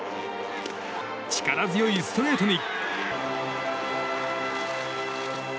力強いストレートに。